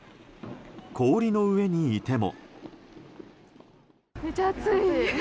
氷の上にいても。